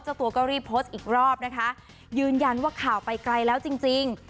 เจ้าตัวก็รีบโพสต์อีกรอบนะคะยืนยันว่าข่าวไปไกลแล้วจริงจริง